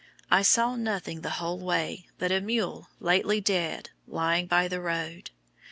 I saw nothing the whole way but a mule lately dead lying by the road.